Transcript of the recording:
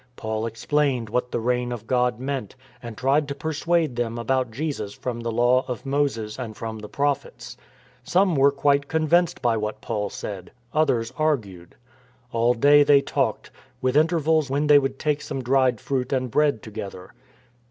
Paul explained what the Reign of God meant, and tried to persuade them about Jesus from the Law of Moses and from the Prophets. Some were quite convinced by what Paul said ; others argued. All day they talked, with intervals when they would take some dried fruit and bread together.